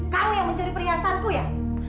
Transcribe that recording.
kamu yang mencuri perhiasanku ya